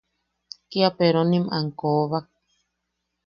Kia peronim am koobak.